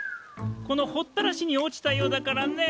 この掘多良市に落ちたようだからね。